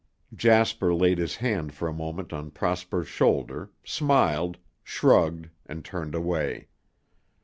Jasper laid his hand for a moment on Prosper's shoulder, smiled, shrugged, and turned away.